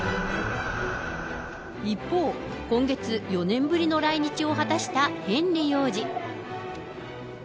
一方、今月、４年ぶりの来日を果たしたヘンリー王子。